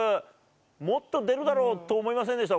もっと出るだろうと思いませんでした？